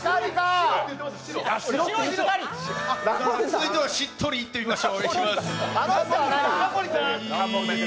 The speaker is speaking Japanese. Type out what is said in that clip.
続いてはしっとりいってみます。